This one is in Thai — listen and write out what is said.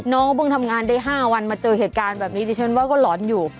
น้องเขาเพิ่งทำงานดาย๕วันมาเจอเหตุการณ์แบบนี้เต็มไปก็ร้อนอยู่